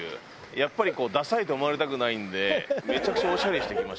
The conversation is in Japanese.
やっぱりこうダサいと思われたくないんでめちゃくちゃオシャレしてきました。